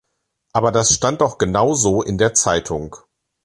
Aber das stand doch genau so in der Zeitung.